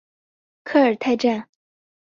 科尔泰站